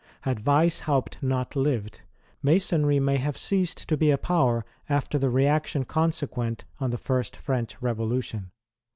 Had Weishaupt not lived, Masonry may have ceased to be a power after the reaction consequent on the first French Revolution.